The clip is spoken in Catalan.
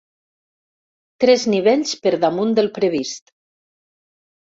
Tres nivells per damunt del previst.